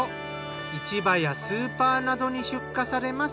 市場やスーパーなどに出荷されます。